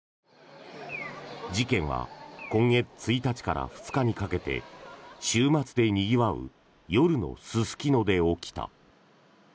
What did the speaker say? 事件は今月１日から２日にかけて週末でにぎわう夜のすすきので起きた。